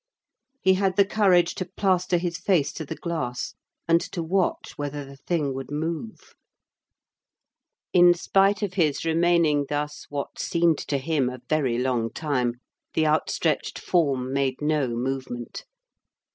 He had the courage to plaster his face to the glass, and to watch whether the thing would move. In spite of his remaining thus what seemed to him a very long time, the outstretched form made no movement.